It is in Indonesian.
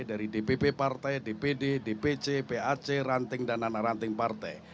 dari dpp partai dpd dpc pac ranting dan anak ranting partai